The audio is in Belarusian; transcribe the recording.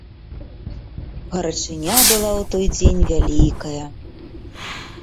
Гарачыня была ў той дзень вялікая.